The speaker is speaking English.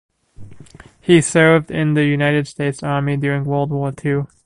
He served in the United States Army during World War ii.